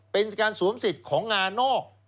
เป็นการสวมสิทธิ์ของงานอก